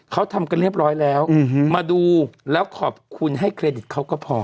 เขาทำกันเรียบร้อยแล้วมาดูแล้วขอบคุณให้เครดิตเขาก็พอ